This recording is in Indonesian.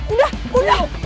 udah udah udah